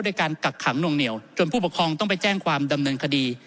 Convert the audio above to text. การกักขังหน่วงเหนียวจนผู้ปกครองต้องไปแจ้งความดำเนินคดี